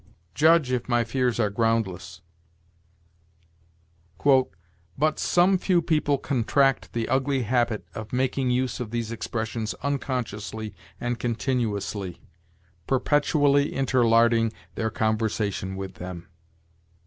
Judge, if my fears are groundless: "But some few people contract the ugly habit of making use of these expressions unconsciously and continuously, perpetually interlarding their conversation with them."